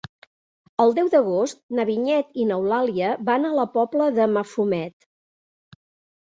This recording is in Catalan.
El deu d'agost na Vinyet i n'Eulàlia van a la Pobla de Mafumet.